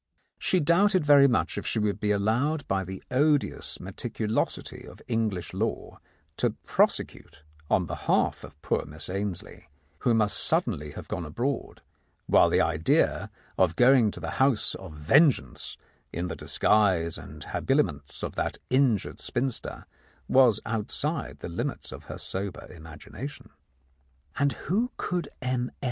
She doubted very much if she would be allowed by the odious meticulosity of English law to prosecute on behalf of poor Miss Ainslie, who must suddenly have gone abroad, while the idea of going to the house of vengeance in the disguise and habiliments of that injured spinster was outside the limits of her sober imagination. And who could M.